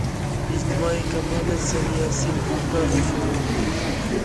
ئىجتىمائىي كاپالەت سەۋىيەسى پۇختا ئاشۇرۇلدى.